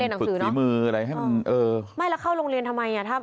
หนังสือฝีมืออะไรให้มันเออไม่แล้วเข้าโรงเรียนทำไมอ่ะถ้า